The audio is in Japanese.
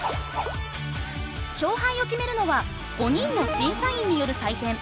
勝敗を決めるのは５人の審査員による採点。